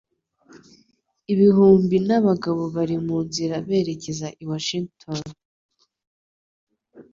Ibihumbi n'abagabo bari mu nzira berekeza i Washington.